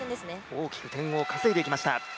大きく点を稼いできました。